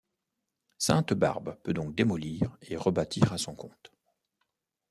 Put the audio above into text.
Sainte-Barbe peut donc démolir et rebâtir à son compte.